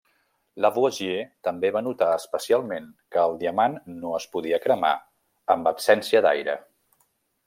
Lavoisier també va notar especialment que el diamant no es podia cremar amb absència d'aire.